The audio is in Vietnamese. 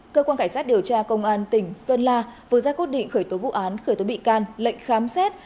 cơ quan cảnh sát điều tra công an tỉnh sơn la vừa ra cốt định khởi tố vụ án khởi tố bị can lệnh khám xét